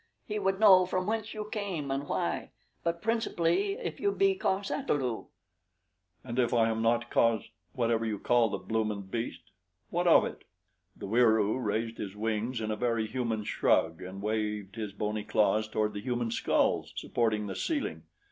He would know from whence you came and why; but principally if you be cos ata lu." "And if I am not cos whatever you call the bloomin' beast what of it?" The Wieroo raised his wings in a very human shrug and waved his bony claws toward the human skulls supporting the ceiling.